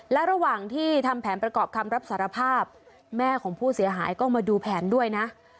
และระหว่างที่ทำแผนประกอบคำรับสารภาพแม่ของผู้เสียหายก็มาดูแผนด้วยนะ